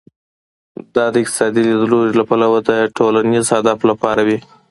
دا د اقتصادي لیدلوري له پلوه د ټولنیز هدف لپاره وي.